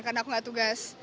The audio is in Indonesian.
karena aku gak tugas